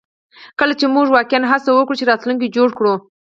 کله چې موږ واقعیا هڅه وکړو چې راتلونکی جوړ کړو